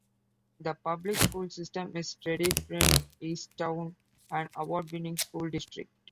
The public school system is Tredyffrin-Easttown, an award-winning school district.